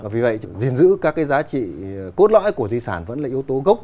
vì vậy giữ các cái giá trị cốt lỗi của di sản vẫn là yếu tố gốc